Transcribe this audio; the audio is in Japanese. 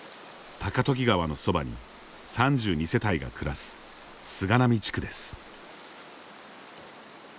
高時川のそばに３２世帯が暮らす菅並地区です。